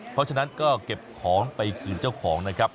เพราะฉะนั้นก็เก็บของไปคืนเจ้าของนะครับ